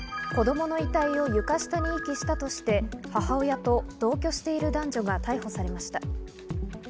子供の遺体を床下に遺棄したとして母親と同居している男女が逮捕されました。